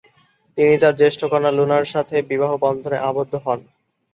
তিনি তার জ্যেষ্ঠ কন্যা লুনা্হ-র সাথে বিবাহ সুত্রে আবদ্ধ হন।